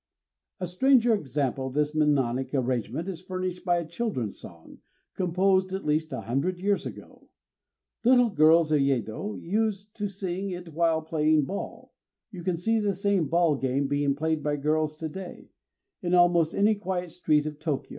_ A stranger example of this mnemonic arrangement is furnished by a children's song, composed at least a hundred years ago. Little girls of Yedo used to sing it while playing ball. You can see the same ball game being played by girls to day, in almost any quiet street of Tôkyô.